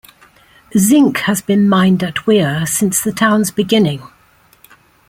Zinc has been mined at Weir since the town's beginning.